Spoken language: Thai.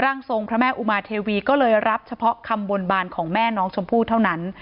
ทรงพระแม่อุมาเทวีก็เลยรับเฉพาะคำบนบานของแม่น้องชมพู่เท่านั้น